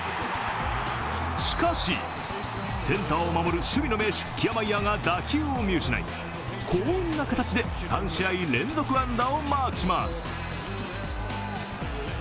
しかし、センターを守る守備の名手・キアマイヤーが打球を見失い、幸運な形で３試合連続安打をマークします。